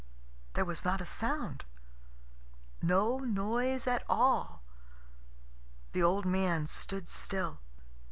There was not a sound no noise at all. The old man stood still.